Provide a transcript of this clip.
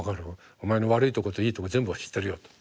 お前の悪いとこといいとこ全部知ってるよ」と。